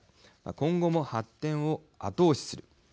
今後も発展を後押しする。